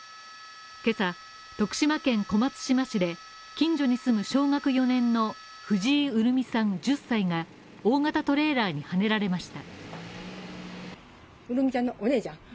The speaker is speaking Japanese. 徳島県小松島市で近所に住む小学４年の藤井潤美さん１０歳が大型トレーラーにはねられました。